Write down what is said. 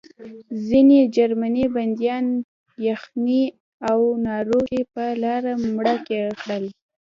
ځینې جرمني بندیان یخنۍ او ناروغۍ په لاره مړه کړل